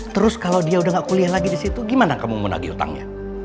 terus kalau dia udah gak kuliah lagi disitu gimana kamu menagi utangnya